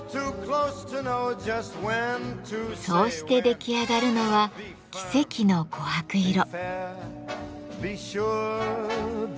そうして出来上がるのは奇跡の琥珀色。